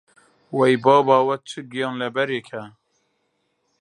وەی بابە، ئەوە چ گیانلەبەرێکە!